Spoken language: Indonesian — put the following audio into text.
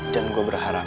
dan gue berharap